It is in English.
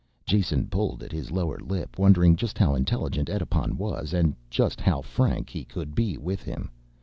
Jason pulled at his lower lip, wondering just how intelligent Edipon was, and just how frank he could be with him.